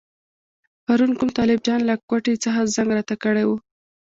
پرون کوم طالب جان له کوټې څخه زنګ راته کړی وو.